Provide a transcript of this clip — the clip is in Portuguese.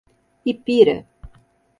Ipira